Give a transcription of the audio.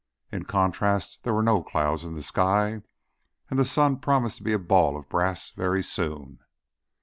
In contrast, there were no clouds in the sky, and the sun promised to be a ball of brass very soon.